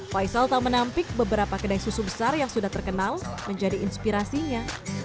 faisal tak menampik beberapa kedai susu besar yang sudah terkenal menjadi inspirasinya